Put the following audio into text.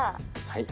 はい。